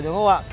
đúng không ạ